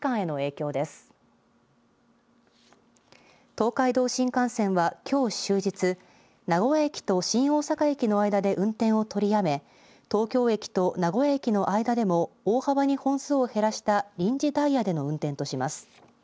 東海道新幹線はきょう終日、名古屋駅と新大阪駅の間で運転を取りやめ、東京駅と名古屋駅の間でも大幅に本数を減らした臨時ダイヤでの運転とします。